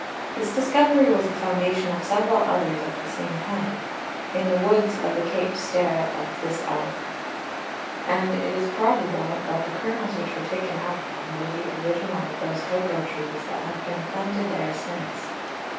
This discovery was the Foundation of several others of the same kind, in the Woods of the _Cape Sterre_[t] of this Island. And it is probable that the Kernels which were taken out of them, were the Original of those Cocao Trees that have been planted there since.